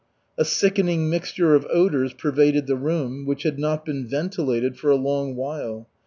A sickening mixture of odors pervaded the room, which had not been ventilated for a long while.